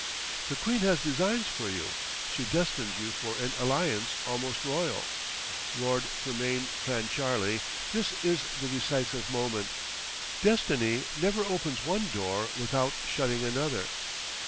The queen has designs for you. She destines you for an alliance almost royal. Lord Fermain Clancharlie, this is the decisive moment. Destiny never opens one door without shutting another.